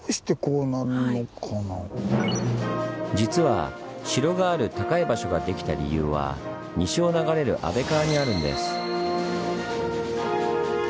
実は城がある高い場所ができた理由は西を流れる安倍川にあるんです。